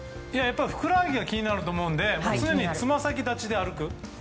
ふくらはぎが気になると思うので常につま先立ちで歩く。